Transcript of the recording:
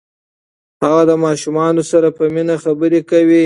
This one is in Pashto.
هغه د ماشومانو سره په مینه خبرې کوي.